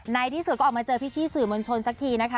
ในที่สุดก็ออกมาเจอพี่สื่อมวลชนสักทีนะคะ